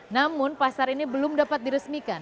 namun pasar ini belum dapat diresmikan